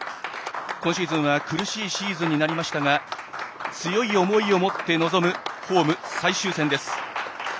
今シーズンは苦しいシーズンになりましたが強い思いを持って臨むホーム最終戦です。